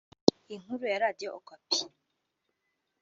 Inkuru ya Radio okapi